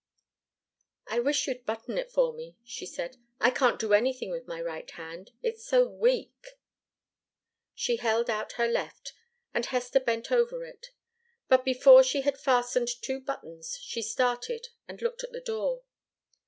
"I wish you'd button it for me," she said. "I can't do anything with my right hand, it's so weak." She held out her left, and Hester bent over it. But before she had fastened two buttons, she started, and looked at the door.